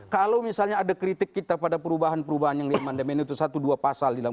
kalau misalnya ada kritik kita pada perubahan perubahan yang di aman demen itu satu dua pasal di dalam